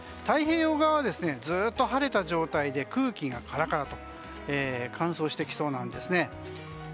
太平洋側はずっと晴れた状態で空気がカラカラと乾燥してきそうなんですね。